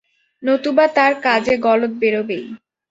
নতুবা তার কাজে গলদ বেরোবেই।